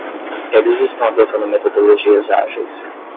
Eles estão adotando metodologias ágeis.